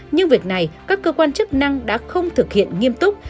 nhưng việc này các cơ quan chức năng đã không thực hiện nghiêm túc